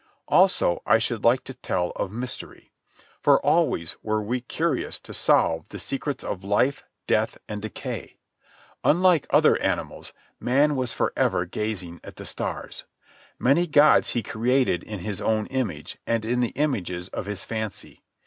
Also, I should like to tell of Mystery. For always were we curious to solve the secrets of life, death, and decay. Unlike the other animals, man was for ever gazing at the stars. Many gods he created in his own image and in the images of his fancy.